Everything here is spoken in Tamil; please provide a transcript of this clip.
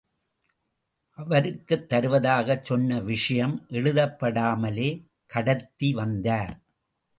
அவருக்குத் தருவதாகச் சொன்ன விஷயம் எழுதப்படாமலே கடத்தி வந்தார்.